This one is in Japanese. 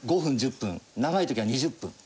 ５分１０分長い時は２０分。